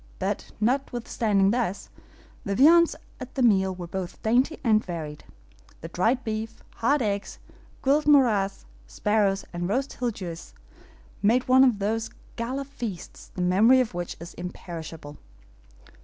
But notwithstanding this, the viands at the meal were both dainty and varied. The dried beef, hard eggs, grilled MOJARRAS, sparrows, and roast HILGUEROS, made one of those gala feasts the memory of which is imperishable.